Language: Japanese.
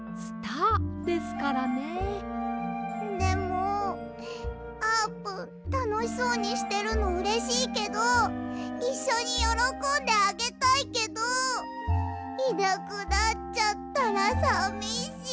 でもあーぷんたのしそうにしてるのうれしいけどいっしょによろこんであげたいけどいなくなっちゃったらさみしい！